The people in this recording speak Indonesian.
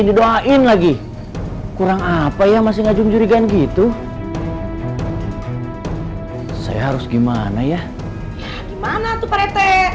didoain lagi kurang apa ya masih ngajum jurigan gitu saya harus gimana ya gimana tuh pak retek